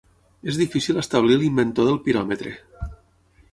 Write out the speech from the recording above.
És difícil establir l'inventor del piròmetre.